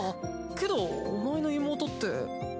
けどお前の妹って。